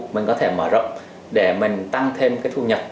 mình có thể mở rộng để mình tăng thêm cái thu nhập